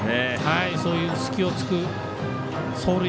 そういう隙を突く走塁